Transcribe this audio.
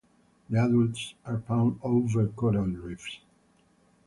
The adults are found over coral reefs.